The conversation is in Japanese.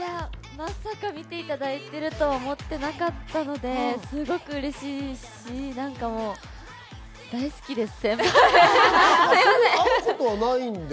まさか見ていただいているとは思っていなかったのですごく嬉しいし、大好きです